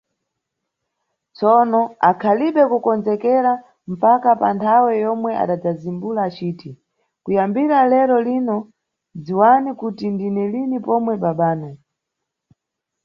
Tsono akhalibe kukondzekera mpaka pa nthawe yomwe adadzazimbula aciti, kuyambira lero lino, dziwani kuti ndine lini pomwe babanu.